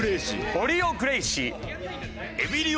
エリオ・グレイシー！